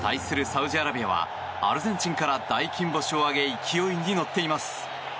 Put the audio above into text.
サウジアラビアはアルゼンチンから大金星を挙げ勢いに乗っています。